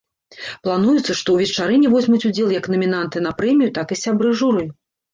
Плануецца, што ў вечарыне возьмуць удзел як намінанты на прэмію, так і сябры журы.